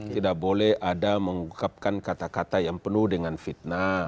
tidak boleh ada mengungkapkan kata kata yang penuh dengan fitnah